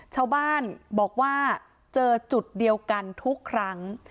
ชาวบ้านบอกว่าเจอจุดเดียวกันทุกครั้ง